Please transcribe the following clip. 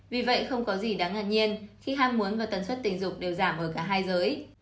vì vậy không có gì đáng ngạc nhiên khi ham muốn và tần suất tình dục đều giảm ở cả hai giới